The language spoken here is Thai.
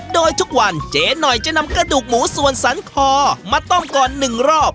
โดยทุกวันเจ๊หน่อยจะนำกระดูกหมูส่วนสันคอมาต้มก่อน๑รอบ